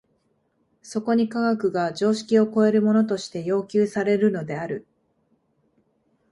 そこに科学が常識を超えるものとして要求されるのである。